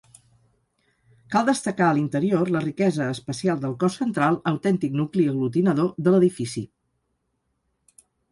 Cal destacar, a l'interior, la riquesa espacial del cos central, autèntic nucli aglutinador de l'edifici.